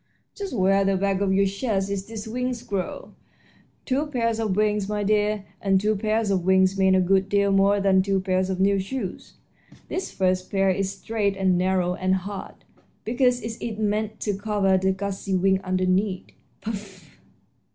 "Just where the back of your chest is these wings grow two pairs of wings, my dear, and two pairs of wings mean a good deal more than two pairs of new shoes. This first pair is straight and narrow and hard, because it is meant to cover the gauzy wings underneath. Puff!"